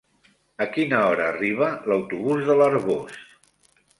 A quina hora arriba l'autobús de l'Arboç?